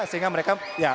sehingga mereka ya